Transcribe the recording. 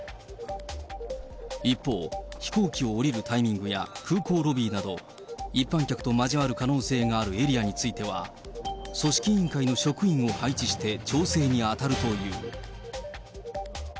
一方、飛行機を降りるタイミングや空港ロビーなど、一般客と交わる可能性があるエリアについては、組織委員会の職員を配置して、調整に当たるという。